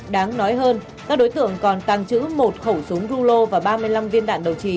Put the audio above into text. đáng nói hơn các đối tượng còn tàng trữ một khẩu súng rulo và ba mươi năm viên đạn đầu trì